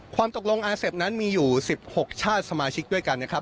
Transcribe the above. ความตกลงอาเซฟนั้นมีอยู่๑๖ชาติสมาชิกด้วยกันนะครับ